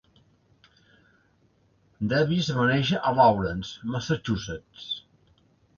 Davis va néixer a Lawrence, Massachusetts.